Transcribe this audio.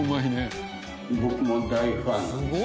僕も大ファンです。